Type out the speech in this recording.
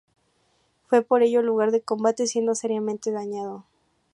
Fue por ello lugar de combates, siendo seriamente dañado.